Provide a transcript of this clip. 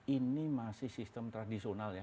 ini masih sistem tradisional ya